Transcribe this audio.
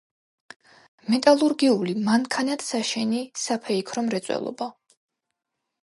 მეტალურგიული, მანქანათსაშენი, საფეიქრო მრეწველობა.